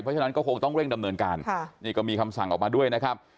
เพราะฉะนั้นก็คงต้องเร่งดำเนินการนี่ก็มีคำสั่งออกมาด้วยนะครับ